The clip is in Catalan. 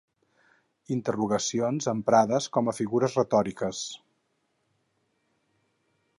Interrogacions emprades com a figures retòriques.